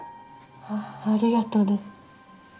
ありがとね。